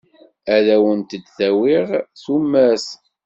Ad awent-d-awiɣ tumert.